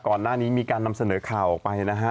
ก่อนหน้านี้มีการนำเสนอข่าวออกไปนะฮะ